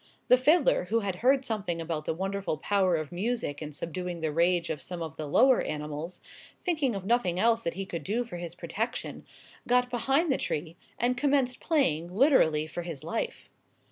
The fiddler, who had heard something about the wonderful power of music in subduing the rage of some of the lower animals, thinking of nothing else that he could do for his protection, got behind the tree, and commenced playing, literally for his life.